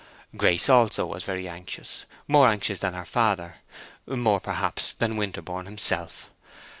Grace also was very anxious; more anxious than her father; more, perhaps, than Winterborne himself.